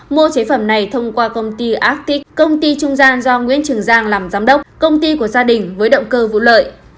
mua chế phẩm này thông qua công ty atix công ty trung gian do nguyễn trường giang làm giám đốc công ty của gia đình với động cơ vũ lợi